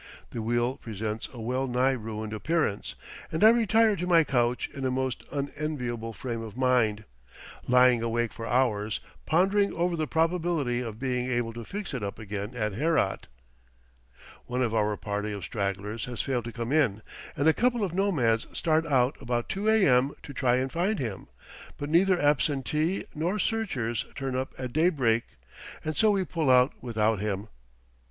The wheel presents a well nigh ruined appearance, and I retire to my couch in a most unenviable frame of mind; lying awake for hours, pondering over the probability of being able to fix it up again at Herat. One of our party of stragglers has failed to come in, and a couple of nomads start out about 2 a.m. to try and find him; but neither absentee nor searchers turn up at daybreak, and so we pull out without him.